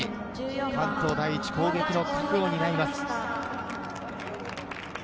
関東第一、攻撃の核を担います。